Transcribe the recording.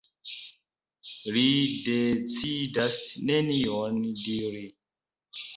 Li decidas nenion diri.